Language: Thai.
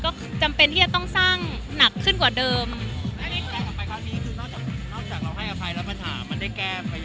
ก็เป็นการเรื่องสร้างอีก